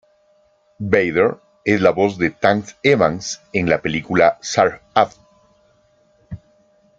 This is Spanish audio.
Bader es la voz de Tank Evans en la película "Surf's Up".